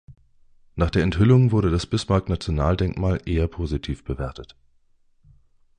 Nach der Enthüllung wurde das Bismarck-Nationaldenkmal eher positiv bewertet.